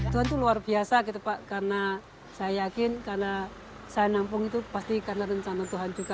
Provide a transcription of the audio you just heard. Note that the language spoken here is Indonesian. tuhan itu luar biasa gitu pak karena saya yakin karena saya nampung itu pasti karena rencana tuhan juga